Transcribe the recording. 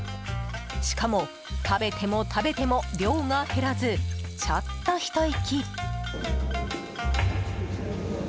しかも、食べても食べても量が減らず、ちょっとひと息。